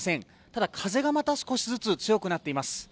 ただ、風がまた少しずつ強くなっています。